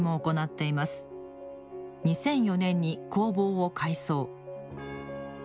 ２００４年に工房を改装。